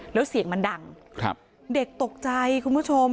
แล้วเสียงมันดังเด็กตกใจคุณผู้ชม